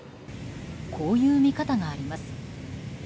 こういう見方があります。